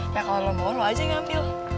nah kalau lo mau lo aja ngampil